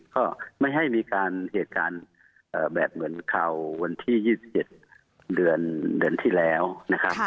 ก็ไม่ให้มีการเหตุการณ์แบบเหมือนข่าววันที่๒๗เดือนที่แล้วนะครับ